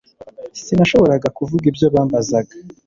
Sinashoboraga kuvuga ibyo bambazaga